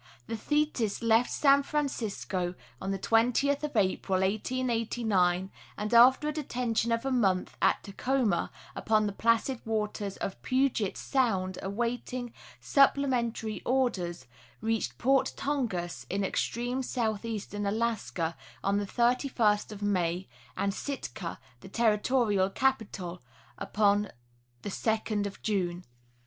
The Thetis left San Francisco on the 20th of April, 1889, and after a detention of a month at Tacoma, upon the placid waters of Puget sound, awaiting supplementary orders, reached Port Tongass, in extreme southeastern Alaska, on the 31st of May, and Sitka, the territorial capitol, upon the 2d of June.